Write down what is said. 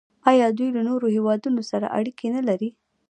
آیا دوی له نورو هیوادونو سره اړیکې نلري؟